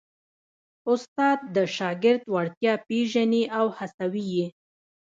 استاد د شاګرد وړتیا پېژني او هڅوي یې.